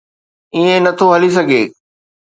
ائين نه ٿو هلي سگهي.